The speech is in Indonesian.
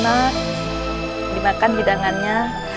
mari susana dimakan hidangannya